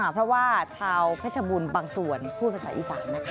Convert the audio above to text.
เพราะว่าชาวเพชรบูรณ์บางส่วนพูดภาษาอีสานนะคะ